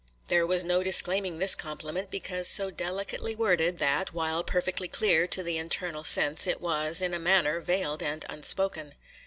There was no disclaiming this compliment, because so delicately worded, that, while perfectly clear to the internal sense, it was, in a manner, veiled and unspoken.